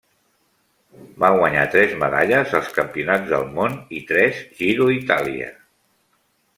Va guanyar tres medalles als Campionats del món i tres Giro d'Itàlia.